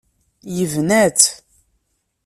Yebna-tt.